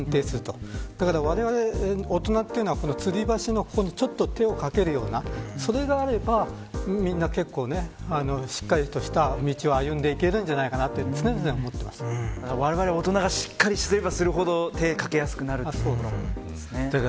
だからわれわれ大人っていうのはつり橋の、ちょっと手をかけるような所があればしっかりとした道を歩んでいけるんじゃないかとわれわれ大人がしっかりすればするほど手をかけやすくなるということですね。